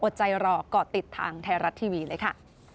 อดใจรอกก็ติดทางเทราททีวีเลยค่ะ